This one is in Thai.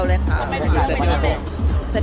พูดเผิดอากรุณาสรุป